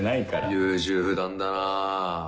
優柔不断だな。